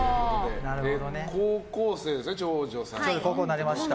高校生ですね、長女さん。